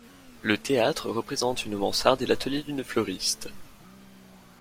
Le théâtre représente une mansarde et l’atelier d’une fleuriste.